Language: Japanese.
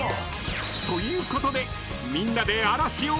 ［ということでみんなで］